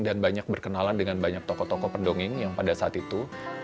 dan banyak berkenalan dengan banyak tokoh tokoh pendongeng yang pada saat itu